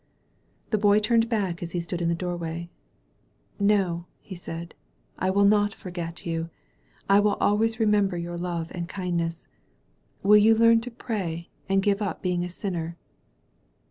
The Boy turned back as he stood in the door way. No," he said. "I will not forget you. I will always remember your love and kindness. Will you leam to pray, and give up being a sinner?"